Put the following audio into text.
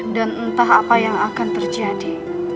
dan entah apa yang akan terjadi